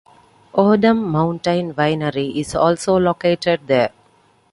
Odem Mountain Winery is also located there.